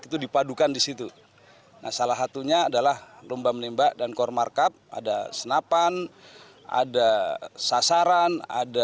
itu dipadukan disitu salah satunya adalah rombang lembak dan kormarkab ada senapan ada sasaran ada